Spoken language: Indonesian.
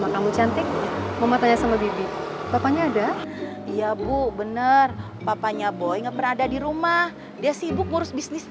kalung itu bikin aku